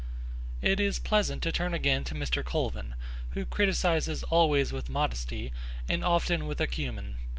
It is pleasant to turn again to Mr. Colvin, who criticises always with modesty and often with acumen.